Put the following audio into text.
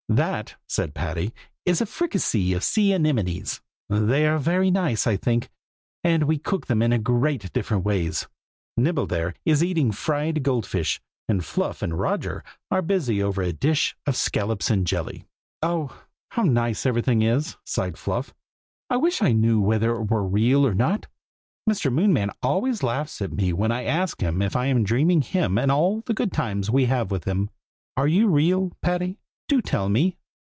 "That," said Patty, "is a fricassee of sea anemones. They are very nice, I think, and we cook them in a great many different ways. Nibble, there, is eating fried gold fish, and Fluff and Roger are busy over a dish of scallops in jelly." "Oh! how nice everything is!" sighed Fluff; "I wish I knew whether it were all real or not. Mr. Moonman always laughs at me when I ask him if I am dreaming him and all the good times we have with him. Are you real, Patty? do tell me!"